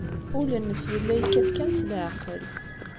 Ul-nnes yella yekkat kan s leɛqel.